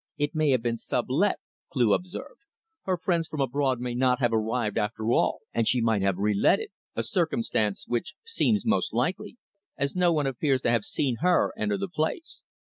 "It may have been sub let," Cleugh observed. "Her friends from abroad may not have arrived after all, and she might have re let it, a circumstance which seems most likely, as no one appears to have seen her enter the place."